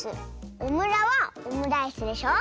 「オムラ」は「オムライス」でしょ。